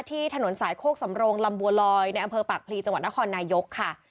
ที่ถนนสายโคกสำโรงลำบัวลอยในอำเภอปากพลีจังหวัดนครนายกค่ะ